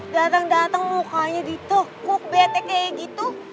dateng dateng mukanya ditukuk bete kayak gitu